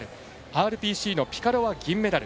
ＲＰＣのピカロワ、銀メダル。